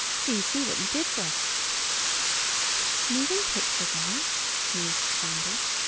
So you see what you did for us." "Moving pictures; eh?" mused Sandy.